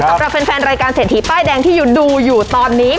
สำหรับแฟนรายการเศรษฐีป้ายแดงที่อยู่ดูอยู่ตอนนี้